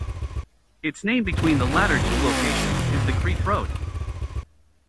Its name between the latter two locations is the Crieff Road.